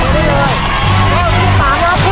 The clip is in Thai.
สวัสดีครับ